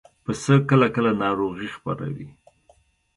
پسه کله کله ناروغي خپروي.